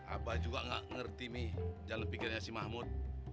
abang juga gak ngerti mi dalam pikirannya si mahmud